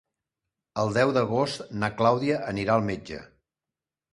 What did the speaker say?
El deu d'agost na Clàudia anirà al metge.